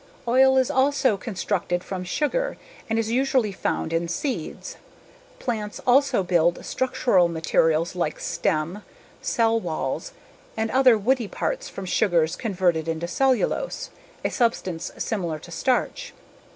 Oil is also constructed from sugar and is usually found in seeds. Plants also build structural materials like stem, cell walls, and other woody parts from sugars converted into cellulose, a substance similar to starch.